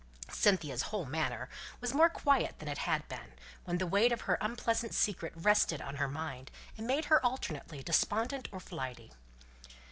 Cynthia's whole manner was more quiet than it had been, when the weight of her unpleasant secret rested on her mind, and made her alternately despondent or flighty.